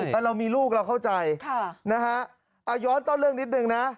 ถ้าเรามีลูกเราเข้าใจนะฮะเอาย้อนต้อนเรื่องนิดนึงนะ